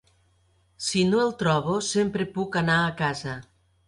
Si no el trobo, sempre puc anar a casa.